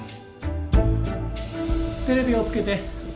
テレビをつけて。